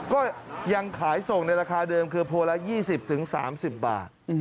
ก็ยังขายส่งในราคาเดิมคือพวงละ๒๐๓๐บาท